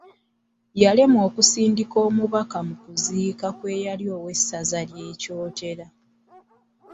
Yalemwa okusindika omubaka mu kuziika kw’eyali omubaka w’essaza lya Kyotera.